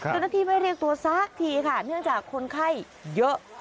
จนทีไม่เรียกตัวซากทีค่ะเนื่องจากคนไข้เยอะ